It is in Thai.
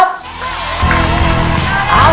รับไปด้วยนะครับ